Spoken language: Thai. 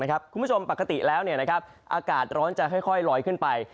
คุณผู้ชมปกติแล้วอากาศร้อนจะค่อยลอยขึ้นไป